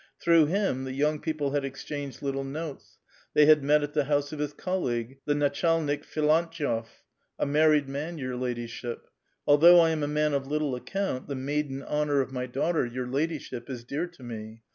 Through him the young people had exchanged little notes. They had met at the house of his colleague, the natchalnik Filantyef, "a married man, your ladyship. Although I am a man of little account, the maiden honor of my daughter, your ladyship, is dear to me.